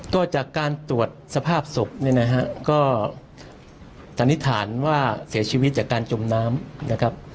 ก็จากการตรวจสภาพศพเนี่ยนะฮะก็สันนิษฐานว่าเสียชีวิตจากการจมน้ำนะครับ